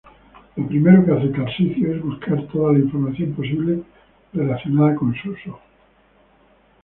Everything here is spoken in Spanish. Lo primero que hace Tarsicio es buscar toda la información posible relacionada con Suso.